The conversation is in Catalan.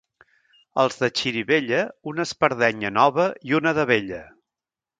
Els de Xirivella, una espardenya nova i una de vella.